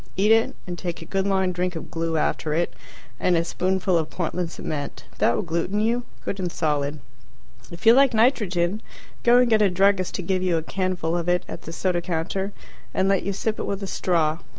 Eat it, and take a good long drink of glue after it, and a spoonful of Portland cement. That will gluten you, good and solid. If you like nitrogen, go and get a druggist to give you a canful of it at the soda counter, and let you sip it with a straw.